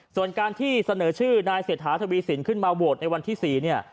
ส่วนการที่เสนอชื่อนายเศรษฐาทวีสินขึ้นมาโหวตในวันที่๔เนี่ย